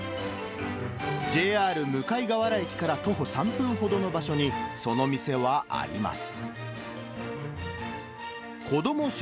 ＪＲ向河原駅から徒歩３分ほどの場所に、その店はあります。